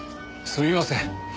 すみません。